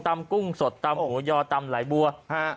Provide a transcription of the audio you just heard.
กุ้งสดตำหมูยอตำไหลบัวฮะ